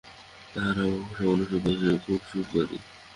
তাহার অভাব খুব সামান্য, সুতরাং সে খুব সুখবাদী।